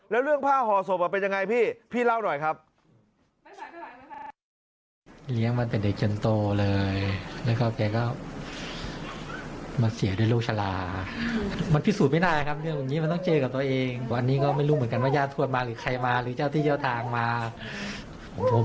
แล้วเรื่องผ้าห่อศพเป็นยังไงพี่พี่เล่าหน่อยครับ